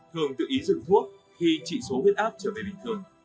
thường tự ý dừng thuốc khi trị số huyết áp trở về bình thường